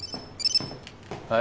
はい